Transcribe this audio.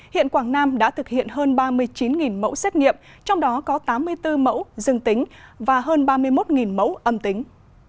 hiện quảng nam đã thực hiện hơn ba mươi chín mẫu xét nghiệm trong đó có tám mươi bốn mẫu dương tính và hơn ba mươi một mẫu âm tính